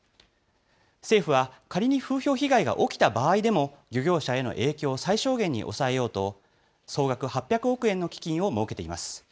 政府は仮に風評被害が起きた場合でも、漁業者への影響を最小限に抑えようと、総額８００億円の基金を設けています。